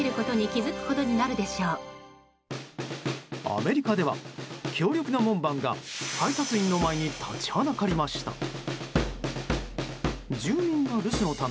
アメリカでは強力な門番が配達員の前に立ちはだかりました。